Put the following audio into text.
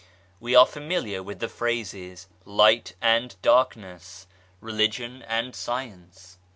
We are familiar with the phrases " Light and Dark ness/' " Religion and Science."